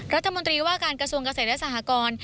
รัฐมนตรีว่าการกระทรวงเกษตรและสหกร